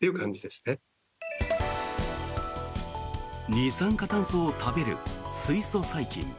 二酸化炭素を食べる水素細菌。